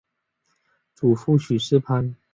祖父许士蕃。